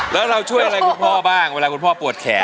แล้วเราช่วยอะไรคุณพ่อบ้างเวลาคุณพ่อปวดแขน